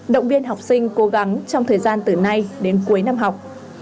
động viên học sinh cố gắng trong thời gian từ nay đến cuối năm học